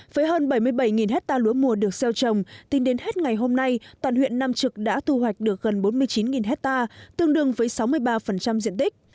với hơn bảy mươi bảy hectare lúa mùa được xeo trồng tính đến hết ngày hôm nay toàn huyện nam trực đã thu hoạch được gần bốn mươi chín hectare tương đương với sáu mươi ba diện tích